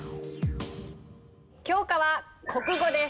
教科は国語です。